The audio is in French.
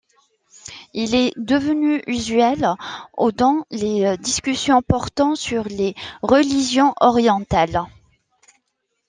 Il est devenu usuel au dans les discussions portant sur les religions orientales.